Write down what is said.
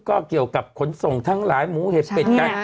ก็เกี่ยวกับขนส่งทั้งหลายหมูเห็บเป็ดกัน